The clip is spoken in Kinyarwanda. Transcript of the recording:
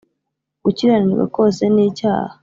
Gukiranirwa kose ni icyaha,